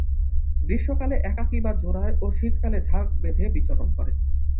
গ্রীষ্মকালে একাকী বা জোড়ায় ও শীতকালে ঝাঁক বেঁধে বিচরণ করে।